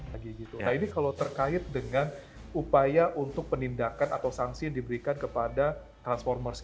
lagi gitu nah ini kalau terkait dengan upaya untuk penindakan atau sanksi yang diberikan kepada transformers